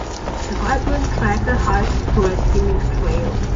A vibrant tracker hikes through a scenic trail.